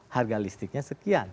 harga listriknya sekian